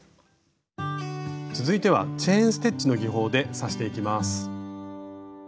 続いてはチェーン・ステッチの技法で刺していきます。